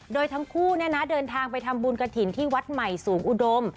โดยทั้งคู่เดินทางไปทำบุญกระถิ่นที่วัดใหม่สูงอุดม